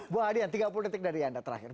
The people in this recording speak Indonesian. bu hadian tiga puluh detik dari anda terakhir